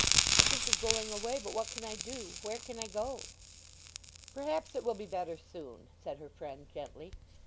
"I think of going away. But what can I do? Where can I go?" "Perhaps it will be better soon," said her friend gently.